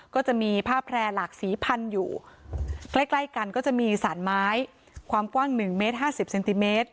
ก็จะมีผ้าแพร่หลากสีพันอยู่ใกล้ใกล้กันก็จะมีสารไม้ความกว้างหนึ่งเมตรห้าสิบเซนติเมตร